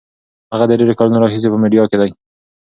هغه د ډېرو کلونو راهیسې په میډیا کې دی.